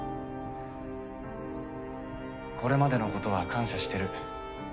これまでのことは感謝してる。